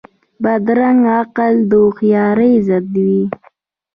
بدرنګه عقل د هوښیارۍ ضد وي